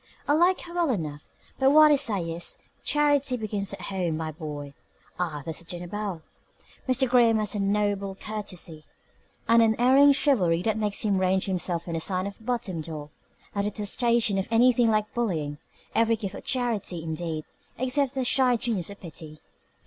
"I like her well enough, but what I say is, Charity begins at home, my boy. Ah, there's the dinner bell!" Mr. Graham has a noble courtesy, an unerring chivalry that makes him range himself on the side of the bottom dog, a detestation of anything like bullying every gift of charity, indeed, except the shy genius of pity.